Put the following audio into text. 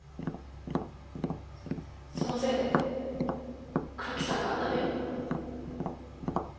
そのせいで黒木さんがあんな目に。